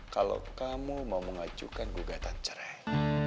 kalau kamu mau mengajukan gugatan cerai